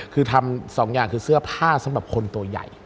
คือทำสองอย่างคือเสื้อผ้าสำหรับคนตัวใหญ่